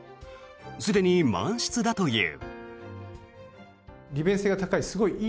すでに満室だという。